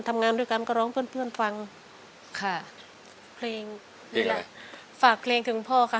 ทำงานด้วยกันก็ร้องเพื่อนเพื่อนฟังค่ะเพลงนี่แหละฝากเพลงถึงพ่อค่ะ